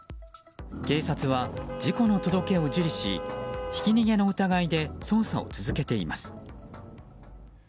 警察は事故の届けを受理しひき逃げの疑いで捜査を続けています。